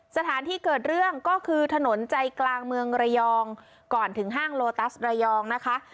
สถานที่เกิดเรื่องก็คือถนนใจกลางเมืองระยองก่อนถึงห้างโลตัสระยองนะคะ